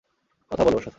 কথা বলো ওর সাথে।